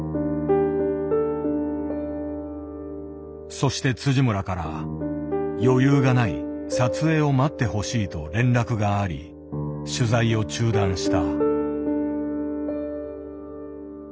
そして村から「余裕がない撮影を待ってほしい」と連絡があり取材を中断した。